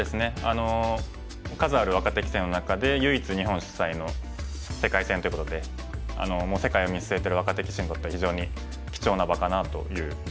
数ある若手棋戦の中で唯一日本主催の世界戦ということでもう世界を見据えてる若手棋士にとっては非常に貴重な場かなという気はしてます。